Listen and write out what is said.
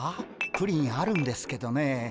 プリンあるんですけどねえ。